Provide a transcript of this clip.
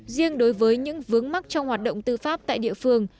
riêng đối với những vướng mắc trong hoạt động tư pháp tại địa phương